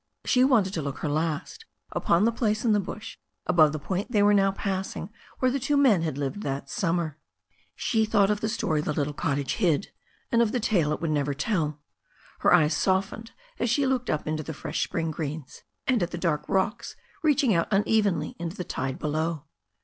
She wanted to look her last upon the place in the bush above the point they were now passing where the two men Vvad \vvtd that summer. She thought of the THE STORY OF A NEW ZEALAND HIVER 431 story the little cottage hid, and of the tale it would never tell. Her eyes softeped as she looked up into the fresh spring greenSy and at the dark rocks reaching out unevenly into the tide below.